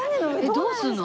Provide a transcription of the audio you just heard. どうするの？